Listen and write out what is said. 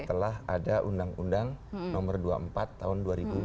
setelah ada undang undang nomor dua puluh empat tahun dua ribu tiga belas